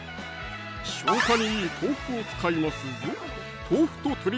消化にいい豆腐を使いますぞ